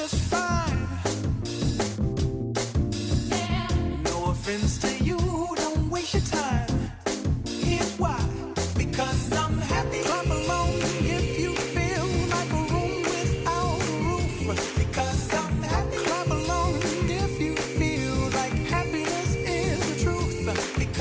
สวัสดีครับสวัสดีครับ